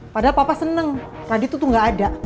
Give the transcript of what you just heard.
padahal papa seneng radit itu tuh gak ada